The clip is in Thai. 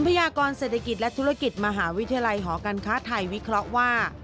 พยากรเศรษฐกิจและธุรกิจมหาวิทยาลัยหอการค้าไทยวิเคราะห์ว่า